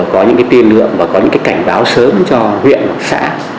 có những cái tiên lượng và có những cái cảnh báo sớm cho huyện và xã